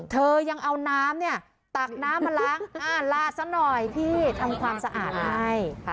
เธอยังเอาน้ำเนี่ยตักน้ำมาล้างลาดซะหน่อยที่ทำความสะอาดให้